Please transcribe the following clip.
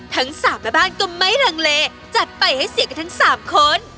ทั้งสามแม่บ้านก็ไม่ลังเลจัดไปให้เสียกันทั้ง๓คน